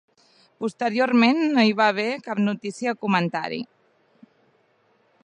Posteriorment no hi ha haver cap notícia o comentari.